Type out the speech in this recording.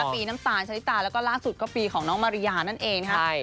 ปีน้ำตาลชะลิตาแล้วก็ล่าสุดก็ปีของน้องมาริยานั่นเองนะครับ